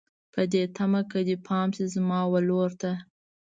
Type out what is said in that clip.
په دې تمه که دې پام شي زما ولور ته